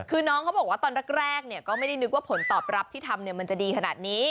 คือน้องเขาบอกว่าตอนแรกก็ไม่ได้นึกว่าผลตอบรับที่ทำมันจะดีขนาดนี้